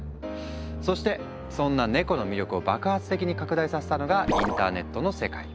そしてそんなネコの魅力を爆発的に拡大させたのがインターネットの世界。